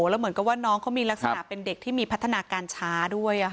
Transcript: แล้วเหมือนกับว่าน้องเขามีลักษณะเป็นเด็กที่มีพัฒนาการช้าด้วย